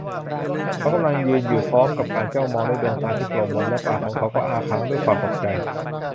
เขากำลังยืนอยู่พร้อมกับการจ้องมองด้วยดวงตาที่กลมมนและปากของเขาก็อ้าค้างด้วยความตกใจ